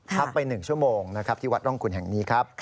เท่าละไปหนึ่งชั่วโมงที่วัดร่องขุนแห่งนี้ครับ